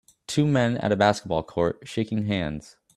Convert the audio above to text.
Two men at a basketball court shaking hands